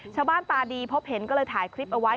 ตาดีพบเห็นก็เลยถ่ายคลิปเอาไว้